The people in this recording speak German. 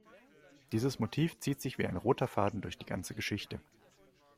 Dieses Motiv zieht sich wie ein roter Faden durch die ganze Geschichte.